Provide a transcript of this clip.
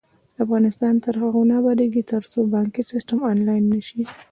افغانستان تر هغو نه ابادیږي، ترڅو بانکي سیستم آنلاین نشي.